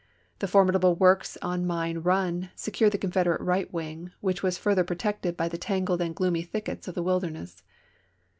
The formidable works on Mine Run secured the Confederate right wing, which was further protected by the tangled and gloomy thickets of the Wilderness.